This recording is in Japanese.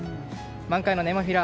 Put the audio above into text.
満開のネモフィラ